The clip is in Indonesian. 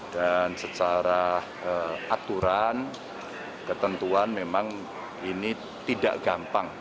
dan secara aturan ketentuan memang ini tidak gampang